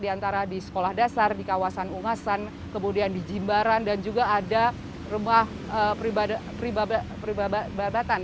di antara di sekolah dasar di kawasan ungasan kemudian di jimbaran dan juga ada rumah babatan